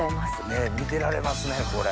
ねっ見てられますねこれ。